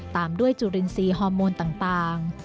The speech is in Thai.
ตามด้วยจุลินทรีย์ฮอร์โมนต่าง